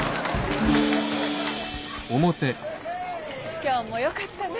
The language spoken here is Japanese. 今日もよかったね。